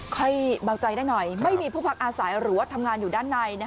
เบาใจได้หน่อยไม่มีผู้พักอาศัยหรือว่าทำงานอยู่ด้านใน